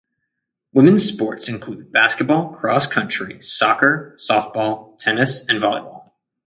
Women's sports include basketball, cross country, soccer, softball, tennis and volleyball.